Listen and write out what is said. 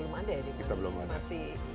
masih dalam trial and error